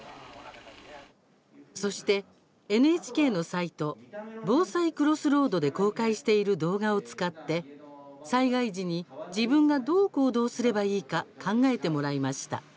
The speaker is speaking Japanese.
そして、ＮＨＫのサイト防災クロスロードで公開している動画を使って、災害時に自分がどう行動すればいいか考えてもらいました。